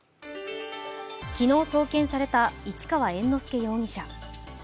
昨日、送検された市川猿之助容疑者